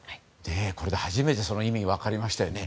これで初めてその意味が分かりましたよね。